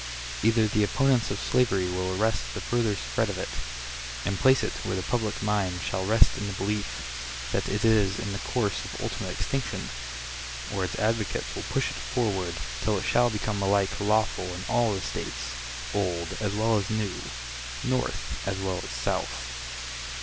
Either the opponents of slavery will arrest the further spread of it, and place it where the public mind shall rest in the belief that it is in the course of ultimate extinction; or its advocates will push it forward till it shall become alike lawful in all the States, old as well as new, North as well as South.